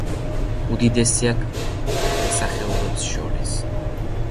უდიდესია ქვესახეობებს შორის.